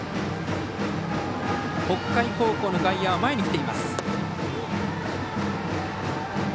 北海高校の外野は前に来ています。